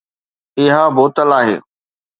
اها بوتل آهي